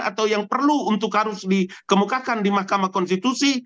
atau yang perlu untuk harus dikemukakan di mahkamah konstitusi